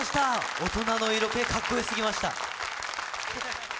大人の色気、かっこよすぎました。